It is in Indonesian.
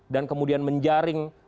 dan kemudian menjaring